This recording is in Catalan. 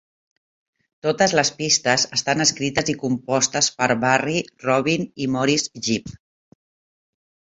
Totes les pistes estan escrites i compostes per Barry, Robin i Maurice Gibb.